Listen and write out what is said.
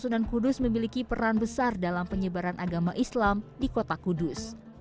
sunan kudus memiliki peran besar dalam penyebaran agama islam di kota kudus